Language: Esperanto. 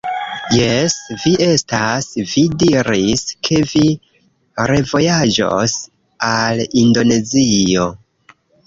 Jes vi estas! Vi diris, ke vi revojaĝos al Indonezio!